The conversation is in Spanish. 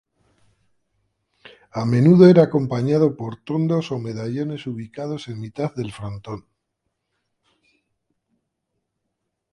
A menudo era acompañado por tondos o medallones ubicados en mitad del frontón.